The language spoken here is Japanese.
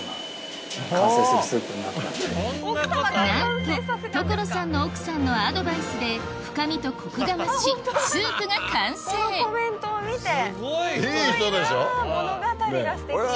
なんと所さんの奥さんのアドバイスで深みとコクが増しスープが完成ねぇ